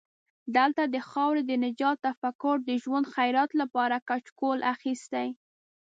دلته د خاورې د نجات تفکر د ژوند خیرات لپاره کچکول اخستی.